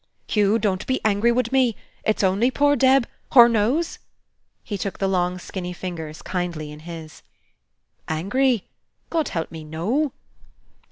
"Hugh, don't be angry wud me! It's only poor Deb, hur knows?" He took the long skinny fingers kindly in his. "Angry? God help me, no!